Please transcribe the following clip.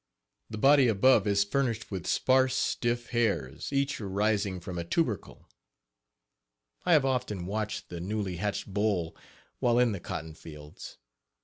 The body above is furnished with sparse, stiff hairs, each arising from a tubercle. I have often watched the Page 30 newly hatched boll while in the cotton fields.